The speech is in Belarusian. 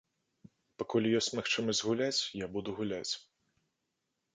Пакуль ёсць магчымасць гуляць, я буду гуляць.